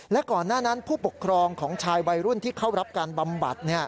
และก่อนหน้านั้นผู้ปกครองของชายวัยรุ่นที่เข้ารับการบำบัด